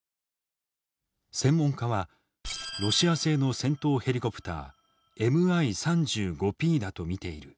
専門家はロシア製の戦闘ヘリコプターＭｉ−３５Ｐだと見ている。